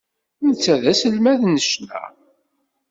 Netta d aselmad n ccna.